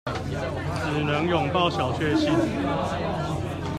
只能擁抱小卻幸